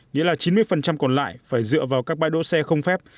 nghĩa là chín mươi còn lại phải dựa vào các bãi đỗ xe không phép